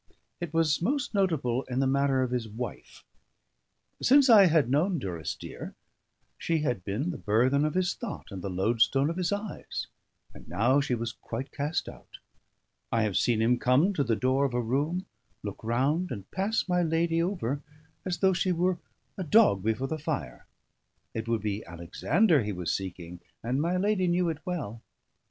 It was most notable in the matter of his wife. Since I had known Durrisdeer, she had been the burthen of his thought and the loadstone of his eyes; and now she was quite cast out. I have seen him come to the door of a room, look round, and pass my lady over as though she were a dog before the fire. It would be Alexander he was seeking, and my lady knew it well.